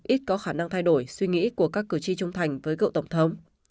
ít có khả năng thay đổi suy nghĩ của các cử tri trung thành với cựu tổng thống